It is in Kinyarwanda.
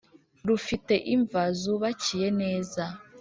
rufite imva zubakiye neza.